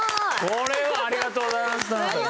これはありがとうございます田中さん。